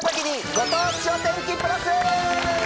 ご当地お天気プラス。